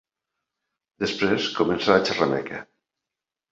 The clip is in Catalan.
Després comença la xerrameca.